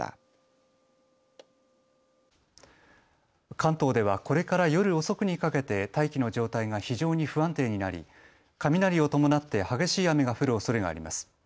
関東ではこれから夜遅くにかけて大気の状態が非常に不安定になり雷を伴って激しい雨が降るおそれがあります。